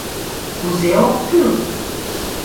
Кузе ок кӱл?